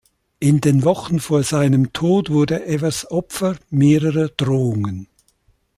In den Wochen vor seinem Tod wurde Evers Opfer mehrerer Drohungen.